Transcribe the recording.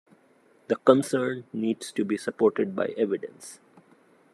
The concern needs to be supported by evidence.